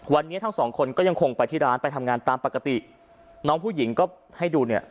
วันนี้ทั้งสองคนก็ยังคงไปที่ร้านไปทำงานตามปกติน้องผู้หญิงก็ให้ดูเนี่ย